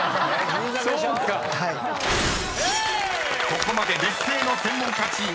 ［ここまで劣勢の専門家チーム。